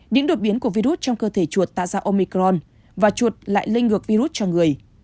những đột biến của virus trong cơ thể chuột tạo ra omicron và chuột lại lên ngược virus cho người